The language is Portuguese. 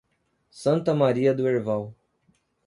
Santa Maria do Herval